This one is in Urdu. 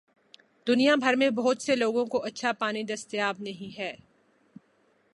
دنیا بھر میں بہت سے لوگوں کو اچھا پانی دستیاب نہیں ہے۔